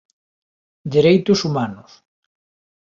Dereitos humanos